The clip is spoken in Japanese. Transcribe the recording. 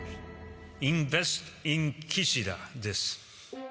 インベスト・イン・キシダです。